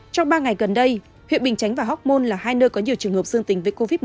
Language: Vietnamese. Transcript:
trong ba ngày gần đây huyện bình chánh và hóc môn là hai nơi có nhiều trường hợp dương tình với covid một mươi chín